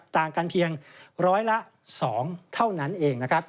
ต่างกันเพียง๑๐๐ละ๒เท่านั้นเอง